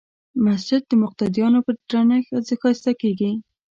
مسجد د مقتدیانو په ډېرښت ښایسته کېږي.